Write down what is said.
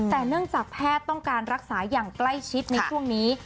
แต่เนื่องจากแพทย์ต้องการรักษาอย่างใกล้ชิดในช่วงนี้